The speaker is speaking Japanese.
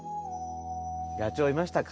野鳥いましたか？